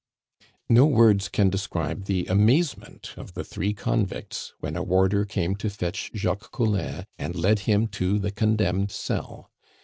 No words can describe the amazement of the three convicts when a warder came to fetch Jacques Collin and led him to the condemned cell!